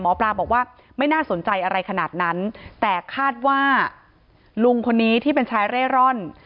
หมอปลาบอกว่าไม่น่าสนใจอะไรขนาดนั้นแต่คาดว่าลุงคนนี้ที่เป็นชายเร่ร่อน